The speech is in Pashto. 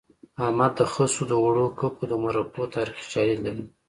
احمد د خسو د اوړو ککو د مرکو تاریخي شالید لري